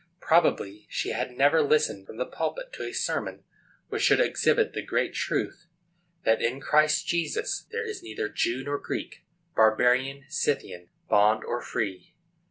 Probably she had never listened from the pulpit to a sermon which should exhibit the great truth, that "in Christ Jesus there is neither Jew nor Greek, barbarian, Scythian, bond nor free."